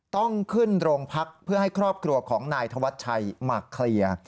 ต้องขึ้นโรงพักเพื่อให้ครอบครัวของนายธวัชชัยมาเคลียร์